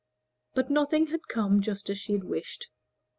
But nothing had come just as she had wished.